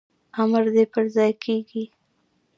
امر دي پرځای کیږي